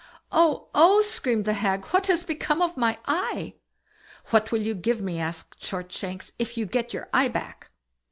"Oh! oh!" screamed the hag, "what has become of my eye?" "What will you give me", asked Shortshanks, "if you get your eye back?"